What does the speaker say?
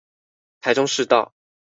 台中市道